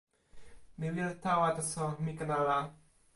mi wile tawa, taso mi ken ala.